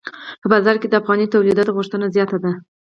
په بازار کې د افغاني تولیداتو غوښتنه زیاته ده.